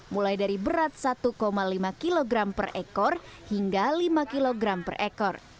mulai dari berat satu lima kg per ekor hingga lima kg per ekor